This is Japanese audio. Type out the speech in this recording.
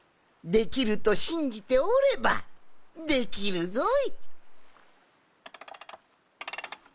できるとしんじておればできるぞい！